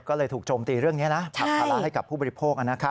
ก็เลยถูกโจมตีเรื่องนี้นะผลักภาระให้กับผู้บริโภค